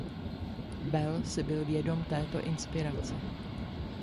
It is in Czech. Bell si byl vědom této inspirace.